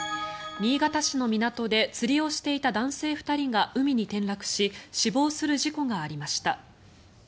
新潟市の港で釣りをしていた男性２人が海に転落し死亡する事故がありました。